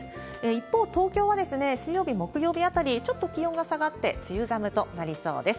一方、東京は水曜日、木曜日あたり、ちょっと気温が下がって、梅雨寒となりそうです。